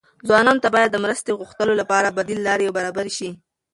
ځوانانو ته باید د مرستې غوښتلو لپاره بدیل لارې برابرې شي.